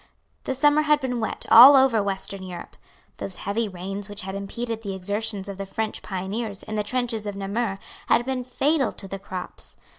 The summer had been wet all over Western Europe. Those heavy rains which had impeded the exertions of the French pioneers in the trenches of Namur had been fatal to the crops.